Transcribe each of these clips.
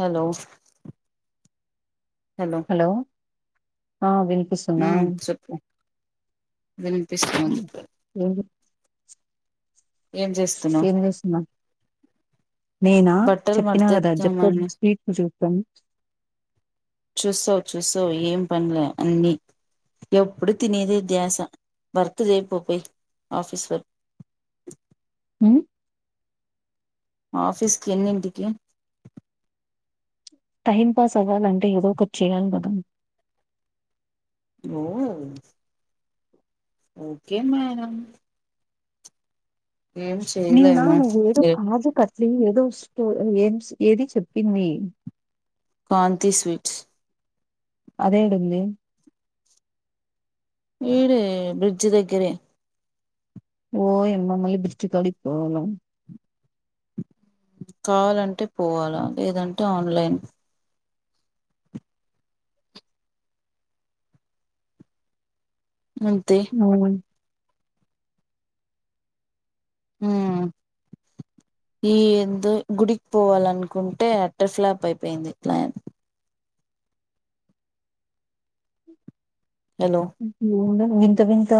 hello hello ఆ విన్ పిస్తుందా ఉమ్ చెప్పు వినిపిస్తుంది ఏం చేస్తున్నావు ఏం చేస్తునవ్ నేనా బట్టలు చెప్పినా కదా జప్ప మడతేద్దామని స్వీట్ చూద్దాం చుస్తావ్ చుస్తావ్ ఏం పన్లే అన్నీ ఎప్పుడు తినేది ధ్యాస వర్క్ చేయపోపోయి ఆఫీస్ వర్క్ మ్ ఆఫీస్కి ఎన్నింటికి టైం పాస్ అవ్వాలంటే ఏదో ఒకటి చేయాలి కద ఓ ఓకే మేడం ఏం నిన్న చేయలేము నువ్వు ఏదో కాజు కస్ ది ఏదో స్పై ఏం ఏదిచెప్పింది కాంతి స్వీట్స్ అదేడూంది ఈడే బ్రిడ్జ్ దగ్గరే ఓ యమ్మ మళ్ళీ బ్రిడ్జి కాడికి పోవాలా కావాలంటే పోవాలా లేదంటే ఆన్లైన్ అంతే నువున్ మ్ ఈ ఎందో గుడికి పోవాలనుకుంటే అట్టర్ ఫ్లాప్ అయిపోయింది ప్లాన్ హలో ఏందో వింత వింత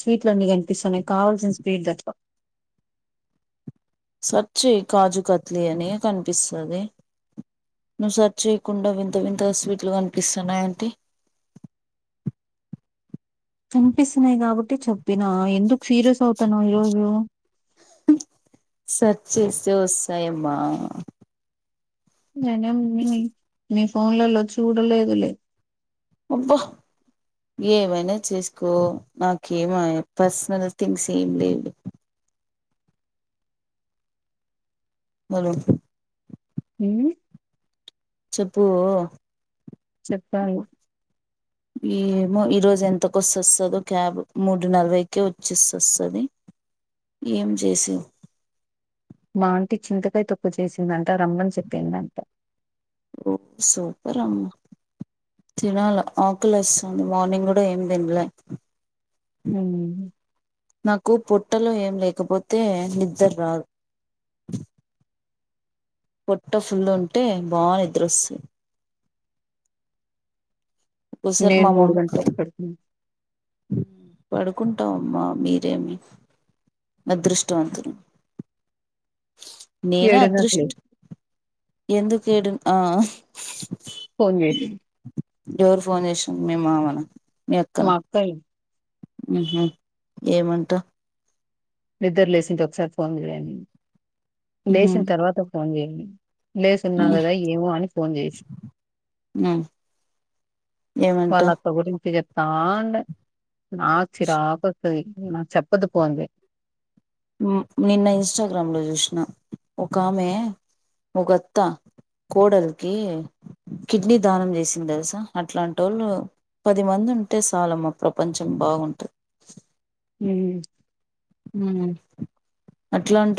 స్వీట్లు అన్నీ కనిపిస్తున్నాయి కావల్సిన స్వీట్ తప్ప సెర్చ్ చేయి కాజు కత్లీ అని కన్పిస్తదీ నువ్వు సర్చ్ చేయకుండా వింత వింతగా స్వీట్లు కనిపిస్తున్నా అంటే వినిపిస్తున్నాయి కాబ ట్టి చెప్పినా ఎందుకు సీరియస్ అవుతన్నావ్ ఈరోజు సెర్చ్ చేస్తే వస్తాయమ్మా నేనేం నీ నీ ఫోన్లలో చూడలేదులే అబ్బ ఏమైనా చేసుకో నాకేమయే పర్సనల్ థింగ్స్ ఏం లేవు లే మొలు ఉమ్ చెప్పూ చెప్పలి ఏమో ఈరోజు ఎంతకొస్త వస్తదో క్యాబ్ మూడు నలభైకే వచ్చేస్తొస్తది ఏంజేసి మాంటి చింతకాయ్ తొప్పు చేసిందంట రమ్మన్ చెప్పిందంట పొలం తినాల ఆకలేస్తుంది మార్నింగ్ కూడా ఏం దిన్లే ఉమ్ నాకు పొట్టలో ఏం లేకపోతే నిద్దర్ రాదు పొట్ట ఫుల్లుంటే బా నిద్రొస్త ఒక్కోసారి నేను మా మూడుఘంట్లకు పడ్కున్న ఉ పడుకుంటవమ్మా మీరేమి అదృష్టవంతులు నేనా ఏడున్నరకు లే అదృష్ట్ ఎందుకేడు ఆ ఫోన్ జేసి ఎవరు ఫోన్ చేసి మీ మామన మా అత్తయ్య ఉహ్ ఏమంటా నిద్దర్ లేసిం ఒకసారి ఫోన్ చేయ్ అనిం ఉ లేచిన తర్వాత ఒక ఫోన్ చేయాని లేసున్నా ఉ గదా ఏమో అని ఫోన్ చేసి ఉ ఏమంట వాళ్ళక్క గురించి చెప్ తాండే నాకు చిరాకొత్తది నాకు చెప్పది పోందే ఉమ్ నిన్న ఇన్స్టాగ్రామ్ లో చూసినా ఒకామె ఒకత్తా కోడలికి కిడ్నీ దానం చేసింది తెలుసా అట్లాంటోళ్ళు పది మందుంటే సాలమ్మ ప్రపంచం బాగుంటది ఉమ్ ఉమ్ అట్లాంటో